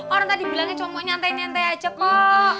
orang tadi bilangnya cuma nyantai nyantai aja kok